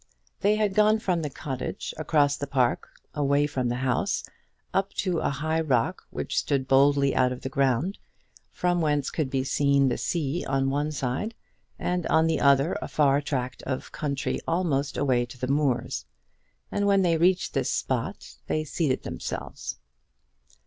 They had gone from the cottage, across the park, away from the house, up to a high rock which stood boldly out of the ground, from whence could be seen the sea on one side, and on the other a far tract of country almost away to the moors. And when they reached this spot they seated themselves.